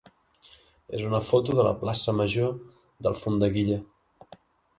és una foto de la plaça major d'Alfondeguilla.